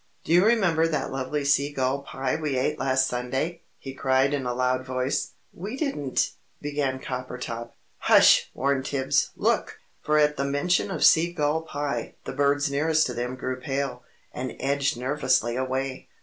"Do you remember that lovely sea gull pie we ate last Sunday!" he cried in a loud voice. "We didn't " began Coppertop. "Hush!" warned Tibbs. "Look!" For at the mention of "sea gull pie" the birds nearest to them grew pale, and edged nervously away.